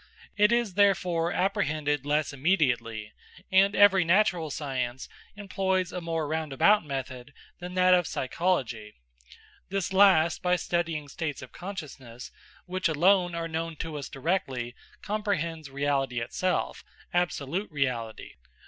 It is therefore apprehended less immediately, and every natural science employs a more roundabout method than that of psychology. This last, by studying states of consciousness, which alone are known to us directly, comprehends reality itself, absolute reality.